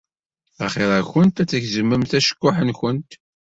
Axiṛ-akent ad tgezmemt acekkuḥ-nkent.